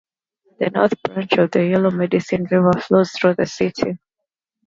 The North Branch of the Yellow Medicine River flows through the city.